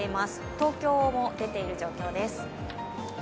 東京も出ている状況です。